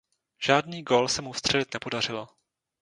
Žádný gól se mu vstřelit nepodařilo.